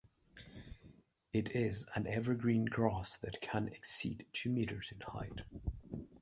It is an evergreen grass that can exceed two meters in height.